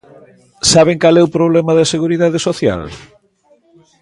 ¿Saben cal é o problema da Seguridade Social?